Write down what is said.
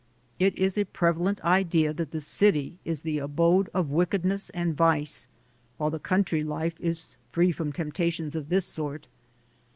It is a prevalent idea that the city is the abode of wicked ness and vice, while the country life is free from temptations of this sort.